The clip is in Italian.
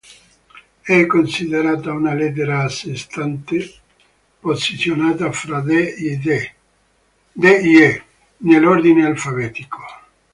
È considerata una lettera a sé stante, posizionata fra D e E nell'ordine alfabetico.